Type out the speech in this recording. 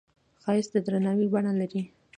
ښایست د درناوي بڼه لري